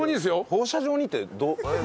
放射状にってどう？